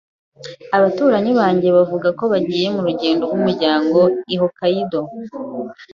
Abaturanyi banjye bavuga ko bagiye mu rugendo rwumuryango i Hokkaido.